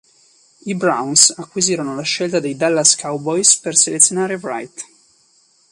I Browns acquisirono la scelta dai Dallas Cowboys per selezionare Wright.